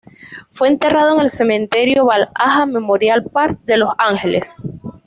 Fue enterrado en el Cementerio Valhalla Memorial Park de Los Ángeles.